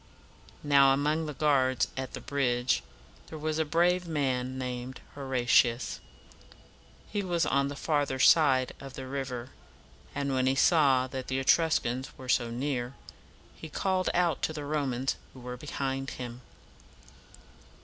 Now, among the guards at the bridge, there was a brave man named Ho ra´ti us. He was on the farther side of the river, and when he saw that the Etruscans were so near, he called out to the Romans who were behind him.